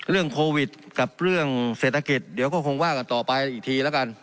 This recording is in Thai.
เรื่องโควิดกับเรื่องเศรษฐกิจเดี๋ยวก็คงว่ากันต่อไปอีกทีแล้วกัน